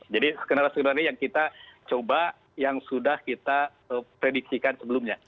jadi skenario skenario ini yang kita coba yang sudah kita prediksikan sebelumnya